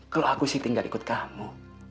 kalau aku sih tinggal ikut kamu